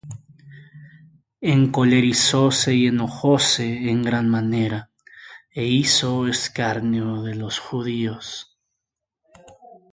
Encolerizóse y enojóse en gran manera, é hizo escarnio de los Judíos.